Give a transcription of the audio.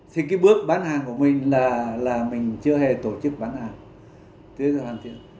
thì cái bước bán hàng của mình là mình chưa hề tổ chức bán hàng